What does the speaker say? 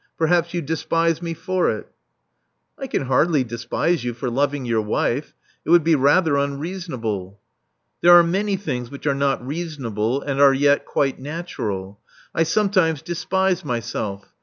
Perhaps you despise me for it." I can hardly despise you for loving your wife. It would be rather unreasonable." There are many things which are not reasonable, and are yet quite natural. I sometimes despise my self.